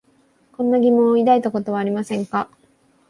こんな疑問を抱いたことはありませんか？